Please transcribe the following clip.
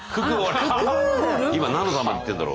今何の段まで行ってんだろう。